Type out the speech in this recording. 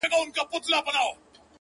مجرم د غلا خبري پټي ساتي!!